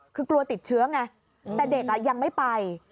คือกลัวติดเชื้อไงแต่เด็กยังไม่ไป